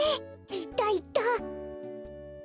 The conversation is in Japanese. いったいった！